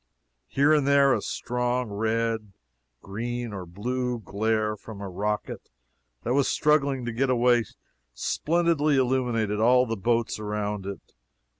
Here and there a strong red, green, or blue glare from a rocket that was struggling to get away, splendidly illuminated all the boats around it.